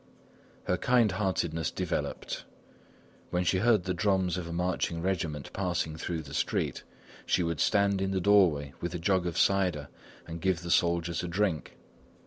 Her kind heartedness developed. When she heard the drums of a marching regiment passing through the street, she would stand in the doorway with a jug of cider and give the soldiers a drink.